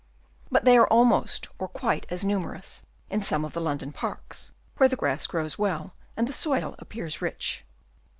But they are almost or quite as numerous in some of the London parks, where the grass grows well and the soil appears rich.